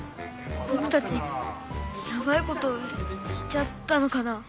ぼくたちヤバいことしちゃったのかな。